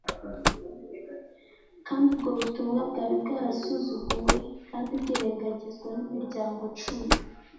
kandi ubwo butumwa bwari bwarasuzuguwe kandi bwirengagizwa n'imiryango cumi